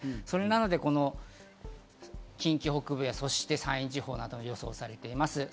それなので近畿北部や山陰地方などで予想されています。